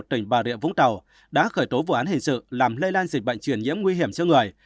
tỉnh bà rịa vũng tàu đã khởi tố vụ án hình sự làm lây lan dịch bệnh truyền nhiễm nguy hiểm cho người